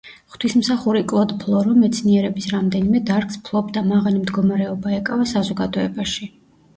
ღვთისმსახური კლოდ ფროლო მეცნიერების რამდენიმე დარგს ფლობდა, მაღალი მდგომარეობა ეკავა საზოგადოებაში.